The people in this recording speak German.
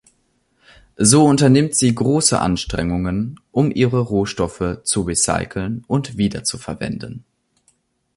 So unternimmt sie große Anstrengungen, um ihre Rohstoffe zu recyceln und wieder zu verwenden.